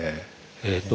えっと